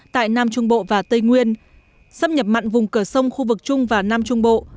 tại nam trung bộ và tây nguyên xâm nhập mặn vùng cửa sông khu vực trung và nam trung bộ